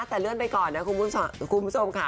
แต่เลื่อนไปก่อนนะคุณผู้ชมค่ะ